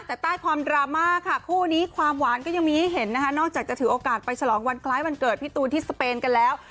แต่ใต้ความดราม่าค่ะคู่นี้ความหวานก็ยังมีให้เห็นนะคะนอกจากจะถือโอกาสไปฉลองวันคล้ายวันเกิดพี่ตูนที่สเปนกันแล้ว